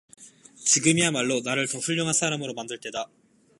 지금이야 말로 나를 더 훌륭한 사람으로 만들 때다.